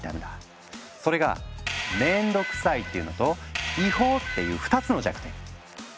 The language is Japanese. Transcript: それが「面倒くさい」っていうのと「違法」っていう２つの弱点。